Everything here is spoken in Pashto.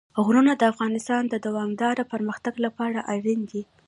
غرونه د افغانستان د دوامداره پرمختګ لپاره اړین دي.